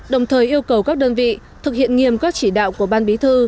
đồng thời yêu cầu các đơn vị thực hiện nghiêm các chỉ đạo của ban bí thư